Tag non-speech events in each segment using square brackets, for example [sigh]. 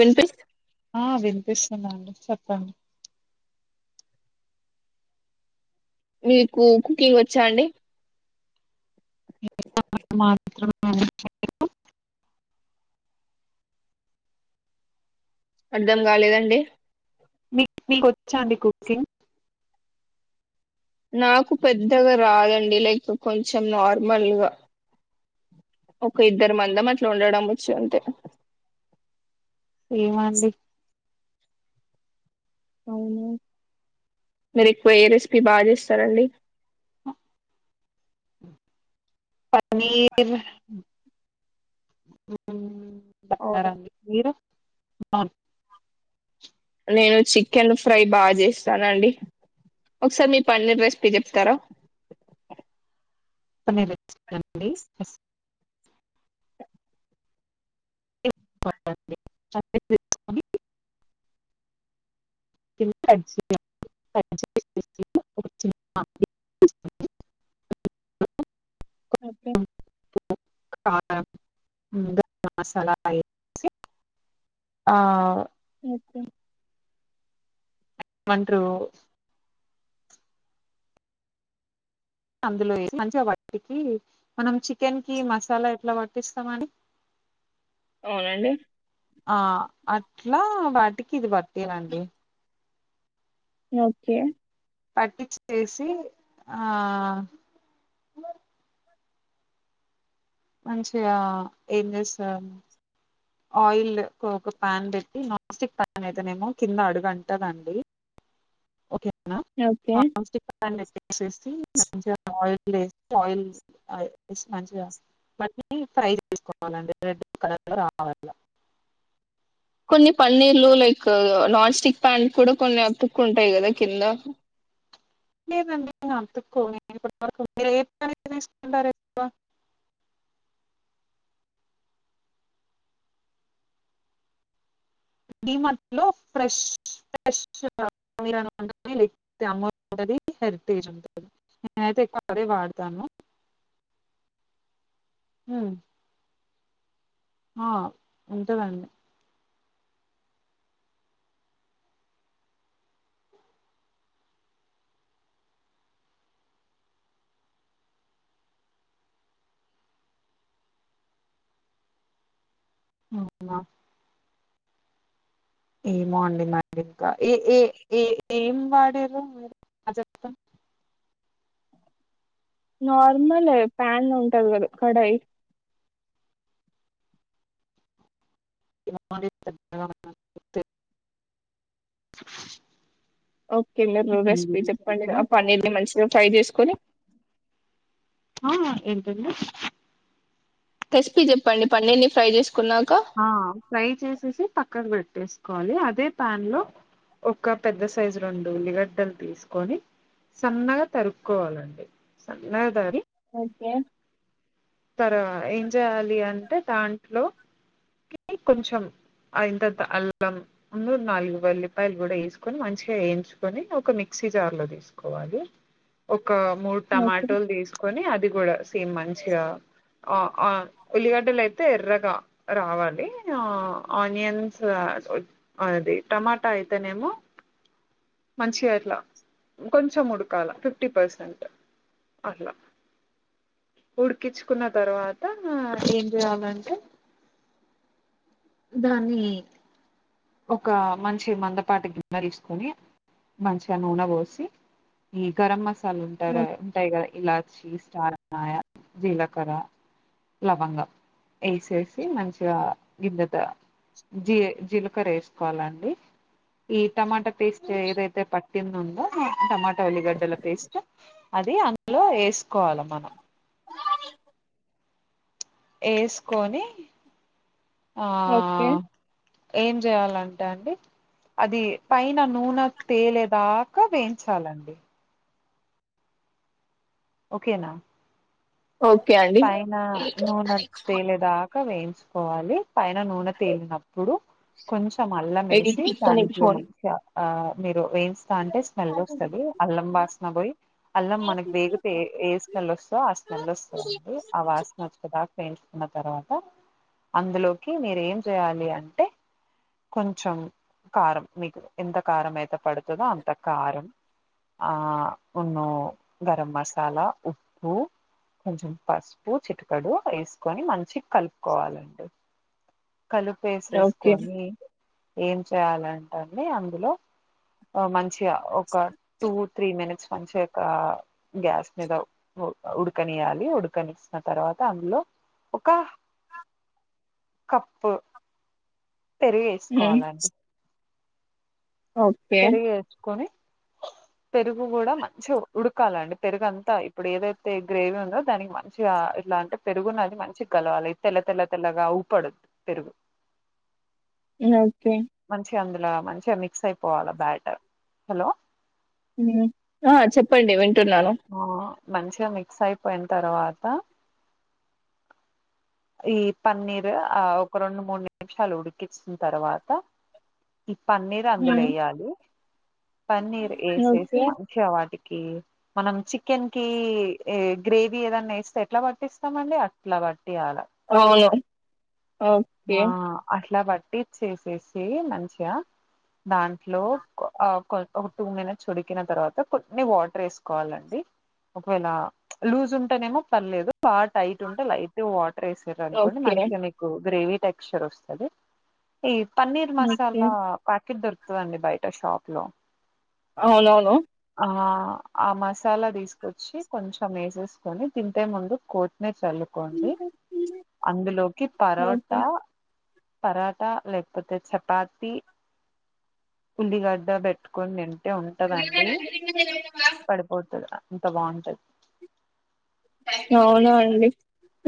వినిపిస్ ఆ వినిపిస్తుందండి చెప్పండి మీకు కుకింగ్ వచ్చా అండి మాత్ర అర్ధం కాలేదండి మీక్ మీకు వచ్చా అండి కుకింగ్ నాకు పెద్దగా రాదండి లైక్ కొంచెం నార్మల్గా ఒక ఇద్దరు మందం అట్లా వండడం వచ్చుఅంతే ఏమండి అవునా మీరు ఎక్కువ ఏ రెసిపీ బాగా చేస్తారండి పనీర్ బడి అవును పరు [unintelligible] [unintelligible] నేను చికెన్ ఫ్రై బాగా చేస్తానండి ఒకసారి మీ పన్నీర్ రెసిపీ చెప్తారా ండిస్ [unintelligible] [unintelligible] ఓకే క మసాల [unintelligible] ఆ అే [unintelligible] అందులో మంచిగా వాటికి మనం చికెన్ కి మసాలా ఎట్లా పట్టిస్తామండి అవునండి ఆ అట్లా వాటికి ఇది పటియలాండి ఓకే పట్టిచ్చి తీసి ఆ మంచిగా ఏం చేస్తారు ఆయిల్ ఒక ప్యాన్ పెట్టి నాన్స్టిక్ ప్యాన్ అయితేనేమో కింద అడుగంటదండి ఓకే అక్క ఓకే నానస్టిక్ ప్యాన్ [inaudible] మళ్ళీ ఫ్రై తీసుకోవాలండి రెడ్ కలర్ లో రావాల్ల [inaudible] కొన్ని పన్నీర్లు లైక్ నాన్ స్టిక్ ప్యాన్ కూడా కొన్ని అతుక్కుంటాయి కదా కింద లేదండి అతుక్కోవు లేడీస్ ఏ చాలా మంది తీసుకుంటారు [inaudible] డిమార్ట్ లో ఫ్రెష్ ఫ్రెష్ గా లేకపోతే అమూల్ ఉంది హెరిటేజ్ ఉంటంది నేనైతే ఎక్కువ అదే వాడతాను [inaudible] హ్మ్ ఆ ఉంటదండి హ్మ్ హా ఏమో అండీ మరి ఇంకా ఏ ఏ ఏ ఏం వాడ తారు మీరు అజంతా నార్మలే ప్యాన్ ఉంటది కదా కడాయి [inaudible] [inaudible] ఓకే అండీ మీరు దాని రెసిపీ గురించి చెప్పండి అయితే ఆ పన్నీర్ని మంచిగా ఫ్రై చేసుకొని ఆ ఏంటండీ రెసిపీ చెప్పండి పన్నీర్ని ఫ్రై చేసు ఆ ఫ్రై చేసేసి పక్కకు పెట్టేసి కోవాలి అదే ప్యాన్ లో ఒక పెద్ద సైజు రెండు ఉల్లిగడ్డలు తీసుకొని సన్నగా తరుక్కోవాలండి సన్నగా తరిగి ఓకే తర్వా ఏం చేయాలి అంటే దాంట్లో కొంచెం ఆ ఇంత అల్లం మూడ్ నాలుగు వెల్లిపాయలు కూడా వేసుకొని మంచిగా వేయించుకొని ఒక మిక్స్ మిక్సీ జార్ లో తీసుకోవాలి [inaudible] ఒక మూడు ఓకే టమాటోలు తీసుకొని అది కూడా సేమ్ మంచిగా ఆ ఆ ఉల్లిగడ్డలు అయితే ఎర్రగా రావాలి ఆ ఆనియన్స్ ఆ అది టమాటా అయితేనేమో మంచిగా ఇట్లా కొంచెం ఉడకాల ఫిఫ్టీ పర్సెంట్ అట్లా ఉడికిచ్చుకున్న తర్వాత ఏం చేయాలంటే [inaudible] దాన్ని ఒక మంచి మందపాటి గిన్నె తీసుకొని మంచిగా నూనె పోసి ఈ గరం మసాలా ఉంటాయి రా ఉంటాయి గదా ఇలాచి స్టార్ నాయ జీలకర లవంగం వేసేసి మంచిగా గిన్నతో జీ జీల వేసుకోవాలండి ఈ టమాట టేస్ట్ ఏదైతే పట్టింది ఉంద టమాటా ఎల్లిగడ్డల పేస్ట్ అది అందులో ఎస్ కోవాల మనం ఏసుకొని ఆ ఓకే ఏం చేయాలంటే అండి అది పైన నూనె తేలేదాకా వేయించాలండి ఓకేనా ఓకే అండి పైన నూనె తేలేదాక్ వేయించుకోవాలి పైన నూనె తేలినప్పుడు కొంచెం అల్లం వేసి ఎడిట్ ఇస్తానికి దాంట్లో ఫోన్ మంచిగా ఆ మీరు వేయించస్తా అంటే స్మెల్ వస్తది అల్లం వాసన పోయి అల్లం మనకు వేగు ఏ స్మెల్ వస్తుందో ఆ స్మెల్ వస్తదండి ఆ వాసన వచ్చేదాక వెయించుకు తర్వాత అందులోకి మీరు ఏం చేయాలి అంటే కొంచెం కారం మీకు ఎంత కారం అయితే పడుతదో అంత కారం ఆ ఉన్నో గరం మసాలా ఉప్పు కొంచెం పసుపు చిటకడు వేసుకొని మంచి కలుపుకోవాలండి ఓకే కలుపేసేసుకొని ఏం చేయాలంటే అండి అందులో ఆ మం మంచిగ ఒక టూ త్రీ మినిట్స్ మంచిగ కా గ్యాస్ మీద ఉడకనియ్యలి ఉడకనిచ్చిన తర్వాత అందులో ఒక కప్పు పెరుగు ఉమ్, వేసుకోవాలండి ఓకే పెరుగు వేస్కోని పెరుగు కూడా మంచి ఉడకాలండి పెరుగు అంతా ఇప్పుడు ఏదైతే గ్రేవీ ఉందో దానికి మంచిగా ఇలా అంటే పెరుగున్నది మంచి గలవాలి తెల్ల తెల్ల తెల్లగా అవ్పడద్దు పెరుగు ఓకే మంచిగా అందులో మంచిగా మిక్స్ అయిపోవాల బ్యాటర్ హలో ఉ ఆ చెప్పండి వింటున్నాను ఆ మంచిగా మిక్స్ అయిపోయిన తర్వాత ఈ పన్నీర్ ఆ ఒక రెండు మూడు నిమిషాలు ఉడికించిన తర్వాత ఈ పన్నీర్ అందులో ఉమ్, వేయాలి పన్నీర్ వేసేసి ఓకే మంచిగా వాటికి మనం చికెన్ కి ఏ గ్రేవీ ఏదన్నా వేస్తే ఎట్లా పట్టిస్తామండి అట్లా పట్టి అవును ఓకే ఆ అట్లా బట్టిచ్చేసేసి మంచిగా దాంట్లో కొ అ ఒక టూ మినిట్స్ ఉడికిన తర్వాత కొన్ని వాటర్ వేసుకోవాలండి ఒకవేళ లూజ్ ఉంటేనేమో పర్లేదు బాగా టైట్ ఉంటే లైట్ వాటర్ వేసారు అనుకోండి ఓకే మంచిగా మీకు గ్రేవీ టెక్చర్ వస్తాది ఈ పన్నీర్ మసాల ఓకే ప కిట్ దొరుకుతదండి బయట షాప్ లో అవునవును ఆ ఆ మసాలా తీసుకొచ్చి కొంచం వేసేసుకొని దింపే ముందు కోత్తిమీర్ చల్లుకోండి అందులోకి ఓకే పరోటా పరాటా లేకపోతే చపాతి ఉల్లిగడ్డ పెట్టుకొని తిం టే ఉంటదండి పడిపోతది అంత బాగుంటది అవునా అండి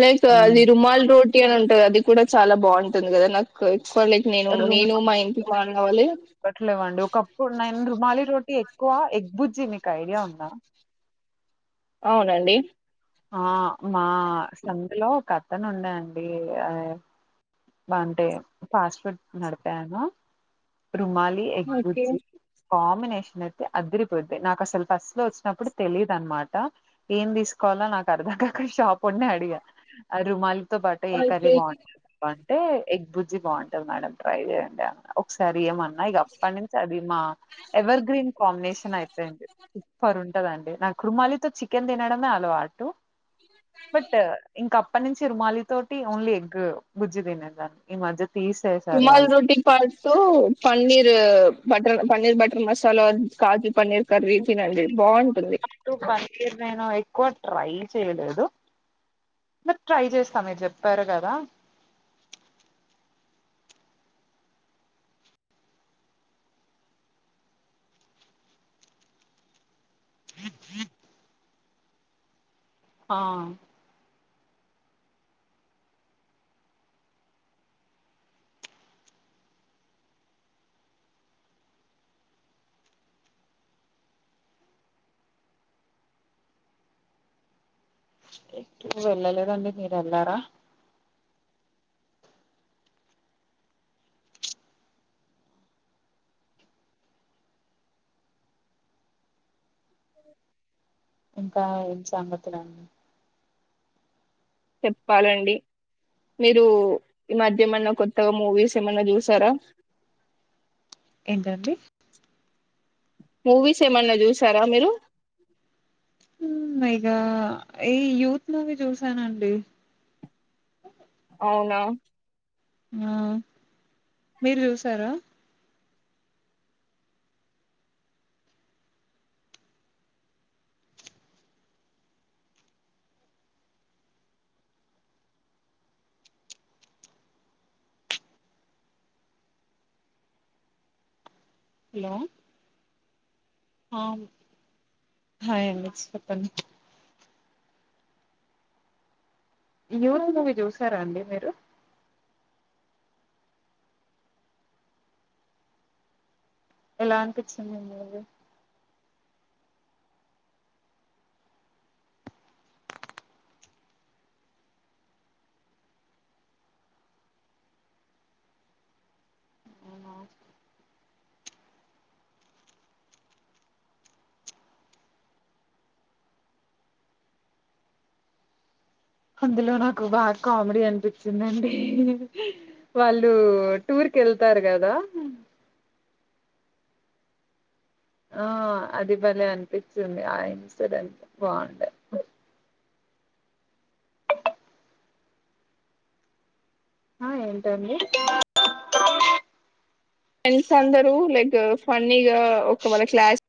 లైక్ అది ఉమ్ రుమాల్ రోటీ టీ ఉంటంది అది కూడా చాలా బాగుంటుంది కదా నాకు కొలిక్ నేను నేను మా ఇంటి మాన్ కావాలి ఇప్పట్లేవండి ఒకప్పుడు నేను రుమాలి రోటీ ఎక్కువ ఎగ్బుజ్జి మీకు ఐడియా ఉందా అవునండి ఆ మా సందులో ఒక అతను ఉండే అండి అ బా అంటే ఫాస్ట్ ఫుడ్ నడిపాను రుమాలి ఓకే ఎగ్బుర్జి కాంబినేషన్ అయితే అదిరిపోద్ది నాకు అసలు ఫస్ట్ లో వచ్చినప్పుడు తెలిదు అన్నమాట ఏం తీసుకో వాలో నాకు అర్దం కాకా అ షాపోన్నే అడిగా ఆ రుమాలితో పాటు ఏ కర్రీ అయితే బావుంటది అంటే ఎగ్ బుజ్జి బావుంటది మేడం ట్రై చేయండి అన్నడు ఒకసారి ఎమన్నా ఇక అప్పటి నుంచి అది మా ఎవర్ గ్రీన్ కాంబినేషన్ అయిపోయింది సూపర్ ఉంటది అండి నాకు రుమాలితో చికెన్ తినడమే అలవాటు బట్ ఇంకా అప్పటి నుంచి రుమాలి తోటి ఓన్లీ ఎగ్ బుజ్జి తినేదాన్ని ఈ మధ్య తీసేసారు రుమాల్ వాళ్ళు రోటీ పాటూ paneer butter paneer butter masala kaju paneer curry తినండి బావుంటుంది టు పన్నీర్ నేను ఎక్కువ ట్రై చేయలేదు ట్రై చేస్తా మీరు చెప్పారు కదా ఆ ఇ ఆ ఎటు వెళ్ళలేదండి మీరు ఎల్లారా ఆ ఇంకా ఏం సంగతులు అండి చెప్పాలండి మీరు ఈ మధ్య ఏమన్న కొత్తగా మూవీస్ ఏమన్నా చూసారా ఏంటండి మూవీస్ ఏమన్నా చూసారా మీరు ఇగా ఈ యూత్ మూవీ చూసానండి అవునా ఆ మీరు చూసారా హలో హాయ్ అండి చెప్పండి యూరో మూవీ చూసారా అండి మీరు ఎలా అనిపించింది మూవీ అందులో నాకు బాగా కామిడీ అనిపించిందండి వాళ్ళు టూర్ కెల్తారు కదా ఆ ఆ అది భలే అనిపించింది ఆ ఇన్సిడెంట్ బావుండే ఆ ఏంటండి ఫ్రెండ్స్ అందరూ లైక్ ఫన్నీగా ఒక వాల క్లాస్